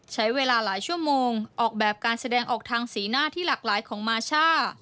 ใช้เวลาหลายชั่วโมงออกแบบการแสดงออกทางสีหน้าที่หลากหลายของมาช่า